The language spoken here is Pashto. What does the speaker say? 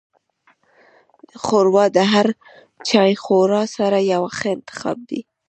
ښوروا د هر چایخوړ سره یو ښه انتخاب دی.